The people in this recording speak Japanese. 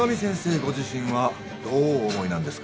ご自身はどうお思いなんですか？